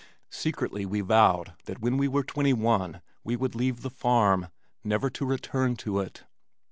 Secretly we vowed that when we were twenty one we would leave the farm, never to return to it.